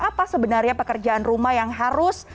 apa sebenarnya pekerjaan rumah yang harus